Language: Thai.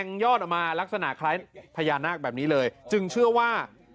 พี่มีอาการป่วยไข้นะ